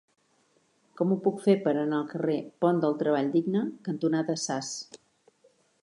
Com ho puc fer per anar al carrer Pont del Treball Digne cantonada Sas?